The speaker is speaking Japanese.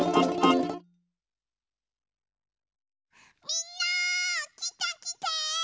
みんなきてきて！